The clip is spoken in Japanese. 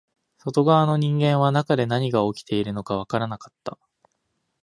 外側の人間は中で何が起きているのかわからなかった